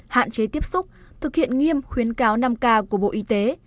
hạn chế tiếp xúc thực hiện nghiêm khuyến cáo năm k của bộ y tế